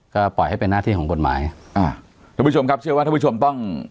ก็ปล่อยให้เป็นหน้าที่ของกฎหมายอ่าท่านผู้ชมครับเชื่อว่าท่านผู้ชมต้อง